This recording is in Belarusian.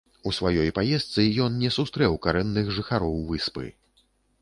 У сваёй паездцы ён не сустрэў карэнных жыхароў выспы.